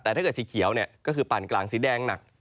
แต่ถ้าเกิดสีเขียวเนี่ยก็คือปั่นกลางสีแดงหนัก